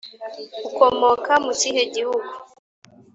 Ukomoka mu kihe gihugu .